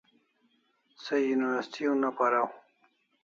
Se university una paraw